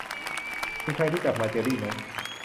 มีใครรู้จักมาเจอรี่ไหม